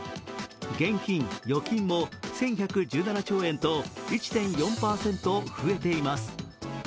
現金・預金も１１１７兆円と１．４％増えています。